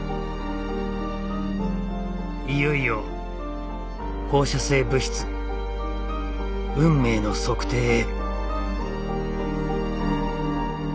いよいよ放射性物質運命の測定へ。